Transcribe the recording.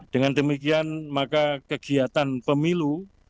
dengan demikian maka kegiatan pemilu